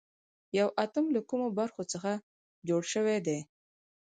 یو اتوم له کومو برخو څخه جوړ شوی دی